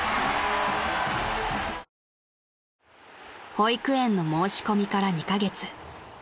［保育園の申し込みから２カ月］